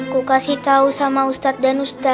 kukasih tau sama ustadz dan ustaz